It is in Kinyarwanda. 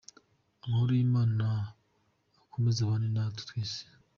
Amahoro y’Imana akomeze abane na twe twese.